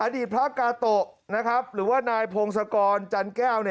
อดีตพระกาโตะหรือว่านายพงศกรจันแก้ว